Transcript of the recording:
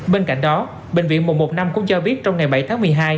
bên cạnh đó bệnh viện một một năm cũng cho biết trong ngày bảy tháng một mươi hai